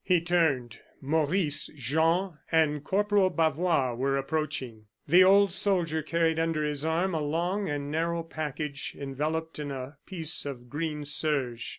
He turned; Maurice, Jean, and Corporal Bavois were approaching. The old soldier carried under his arm a long and narrow package, enveloped in a piece of green serge.